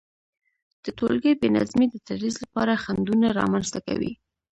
د تولګي بي نظمي د تدريس لپاره خنډونه رامنځته کوي،